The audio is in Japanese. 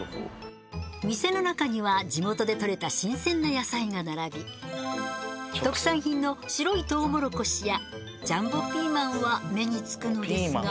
店の中には地元でとれた新鮮な野菜が並び特産品の白いトウモロコシやジャンボピーマンは目につくのですが。